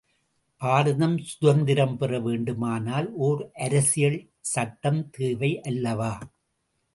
பாரதம் சுதந்திரம் பெற வேண்டுமானால், ஓர் அரசியல் சட்டம் தேவை அல்லவா?